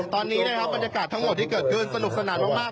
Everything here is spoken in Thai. ตอนนี้นะครับบรรยากาศทั้งหมดที่เกิดขึ้นสนุกสนานมาก